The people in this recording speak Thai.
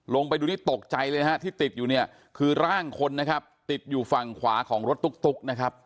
ลงไปดูนี่ตกใจเลยฮะที่ติดอยู่เนี่ยคือร่างคนนะครับติดอยู่ฝั่งขวาของรถตุ๊กนะครับ